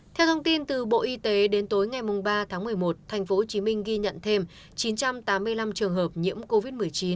theo thông tin từ bộ y tế đến tối ngày ba tháng một mươi một tp hcm ghi nhận thêm chín trăm tám mươi năm trường hợp nhiễm covid một mươi chín